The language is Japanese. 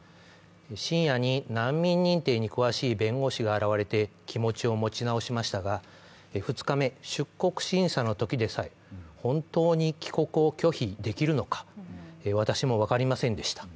深夜に難民認定に詳しい弁護士が現れて、気持ちを持ち直しましたが２日目、出国審査のときでさえ、本当に帰国を拒否できるのか私も分かりませんでした。